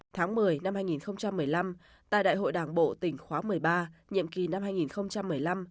tháng một mươi năm hai nghìn một mươi năm tại đại hội đảng bộ tỉnh khóa một mươi ba nhiệm kỳ năm hai nghìn một mươi năm hai nghìn hai mươi